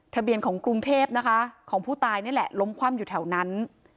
ทะเบียนของกรุงเทพนะคะของผู้ตายนี่แหละล้มคว่ำอยู่แถวนั้น